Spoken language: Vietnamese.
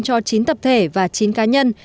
cho chín tập thể và chín cá nhân